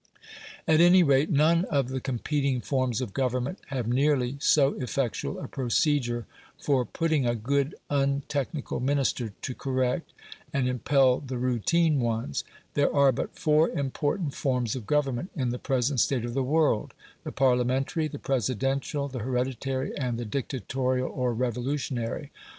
At any rate, none of the competing forms of government have nearly so effectual a procedure for putting a good untechnical Minister to correct and impel the routine ones. There are but four important forms of government in the present state of the world the Parliamentary, the Presidential, the Hereditary, and the Dictatorial, or Revolutionary.